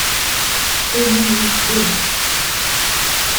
Uli-w yuzzel.